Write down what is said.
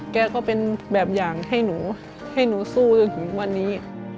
แกก็เป็นแบบอย่างให้หนูให้หนูสู้จนถึงวันนี้